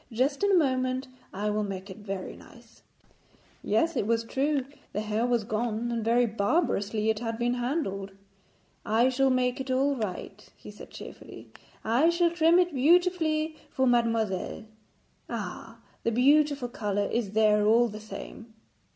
Just in a moment I will make it very nice.' Yes, it was too true, the hair was gone; and very barbarously it had been handled. 'I shall make it all right,' he said cheerfully; 'I shall trim it beautifully for mademoiselle. Ah, the beautiful colour is there all the same.'